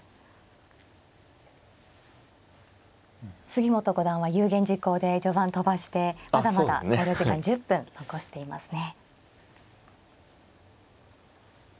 杉本五段は有言実行で序盤飛ばしてまだまだ考慮時間１０分残していますね。